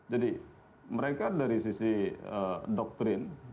jadi mereka dari sisi doktrin